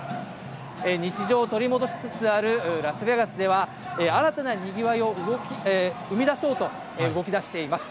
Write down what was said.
日常を取り戻しつつあるラスベガスでは、新たなにぎわいを生み出そうと動きだしています。